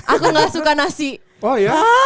aku gak suka nasi oh ya